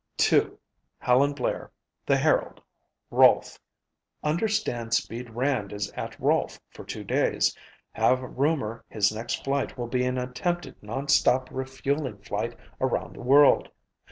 "To: Helen Blair, The Herald, Rolfe. Understand 'Speed' Rand is at Rolfe for two days. Have rumor his next flight will be an attempted non stop refueling flight around the world.